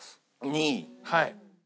はい。